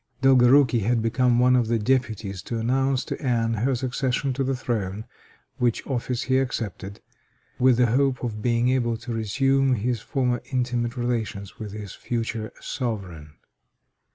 Dolgorouki had become one of the deputies to announce to Anne her succession to the throne, which office he accepted, with the hope of being able to resume his former intimate relations with his future sovereign.